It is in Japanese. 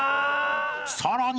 ［さらに］